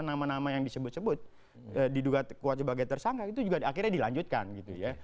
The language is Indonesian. nama nama yang disebut sebut diduga kuat sebagai tersangka itu juga akhirnya dilanjutkan gitu ya